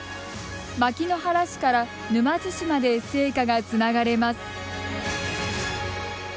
牧之原市から沼津市まで聖火がつながれます。